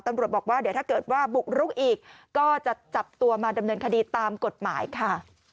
ตำรวจบอกว่าเดี๋ยวถ้าเกิดว่าบุกรุกอีกก็จะจับตัวมาดำเนินคดีตามกฎหมายค่ะ